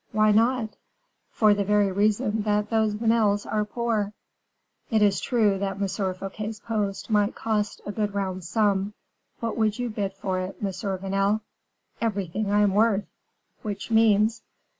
"Why not?" "For the very reason that those Vanels are poor." "It is true that M. Fouquet's post might cost a good round sum. What would you bid for it, Monsieur Vanel?" "Everything I am worth." "Which means?"